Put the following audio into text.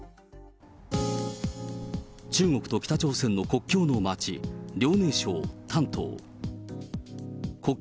中国と北朝鮮の国境の街、遼寧省丹東。